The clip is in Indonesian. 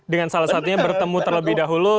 dengan salah satunya bertemu terlebih dahulu